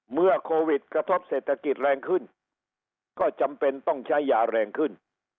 เมื่อโควิดกระทบเศรษฐกิจแรงขึ้นก็จำเป็นต้องใช้ยาแรงขึ้น